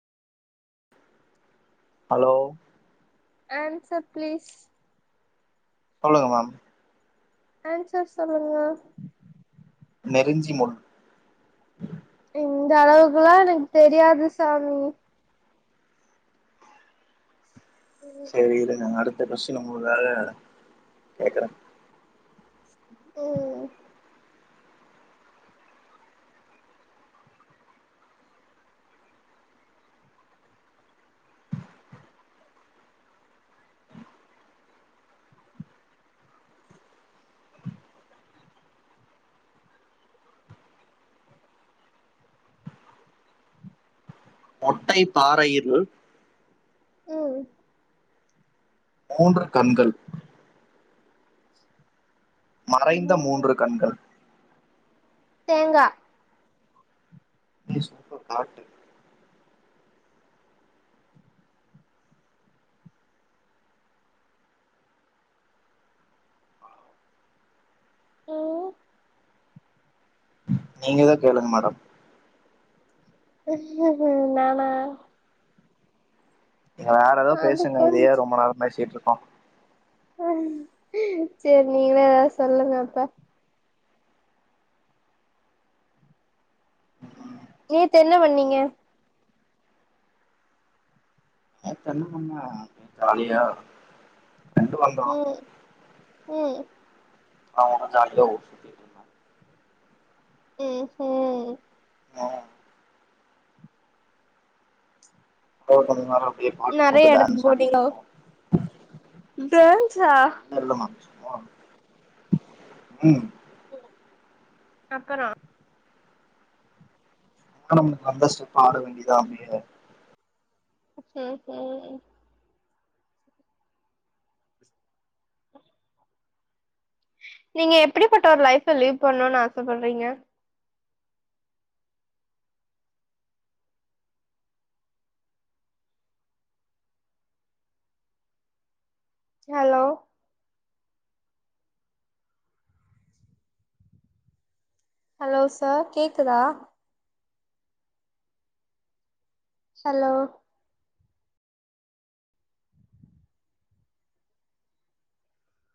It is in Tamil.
ஹலோ ஆன்சர் ப்ளீஸ் சொல்லுங்க மேம் ஆன்சர் சொல்லுங்க நெருஞ்சி முள் இந்த அளவுக்கெல்லா எனக்கு தெரியாது சாமி சரி இருங்க அடுத்த கொஸ்டீன் உங்க வேற கேக்கறேன் ம் மொட்டை பாறையில் ம் மூன்று கண்கள் மறைந்த ம் மூன்று கண்கள் தேங்கா [unintelligible] ம் நீங்கதா கேளுங்க மேடம் நானா வேற ஏதோ அது பேசுங்க கொஞ்ச இதையே ரொம்ப நேர பேசிட்டு இருக்கோ செரி நீங்களே ஏதாது சொல்லுங்க அப்ப ம் நேத்து என்ன பண்ணீங்க நேத்து என்ன பண்ண ஜாலியா ஃப்ரெண்டு வந்தான் ம் ம் நா ஒங்க சேனலுவு [unintelligible] ம்ஹும் ம் எப்பாவ்து பாத்தீங்கன்னா அப்டியே பாட்டு போட்டு நெறைய டான்ஸ் ஆடிட்டுருப்போ டேன்ஸ் ஸா ஒன்ன இல்லம்மா சும்மா ம் அக்கறா நம்ம நம்ப ஸ்டெப் ஆட வேண்டியதா அப்டியே செர் செரி நீங்க எப்டிப்பட்ட ஒரு லைப்ப லிவ் பண்ணணும்னு ஆசப்படுறீங்க‌ ஹலோ ஹலோ சார் கேக்குதா ஹலோ